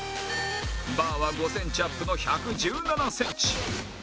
バーは５センチアップの１１７センチ